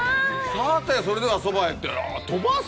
「さてそれでは蕎麦へ」って飛ばす？